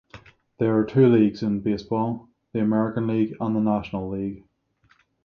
There are two leagues in baseball, the American league, and the National League.